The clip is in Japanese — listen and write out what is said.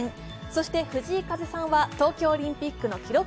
そして藤井風さんは東京オリンピックの記録